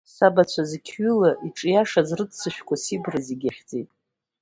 Сабацәа, зықьҩыла иҿиашаз, рыццышәқәа Сибра зегь иахьӡеит.